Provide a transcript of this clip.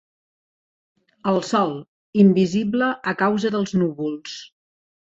El sol, invisible a causa dels núvols.